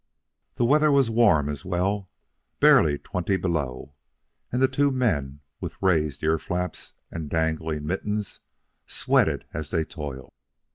The weather was warm, as well, barely twenty below zero, and the two men, with raised ear flaps and dangling mittens, sweated as they toiled.